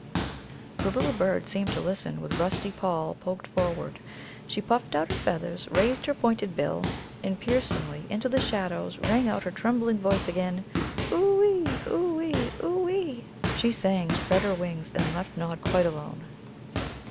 The little bird seemed to listen, with rusty poll poked forward. She puffed out her feathers, raised her pointed bill, and piercingly into the shadows rang out her trembling voice again. "Oo ee, oo ee, oo ee!" she sang, spread her wings, and left Nod quite alone.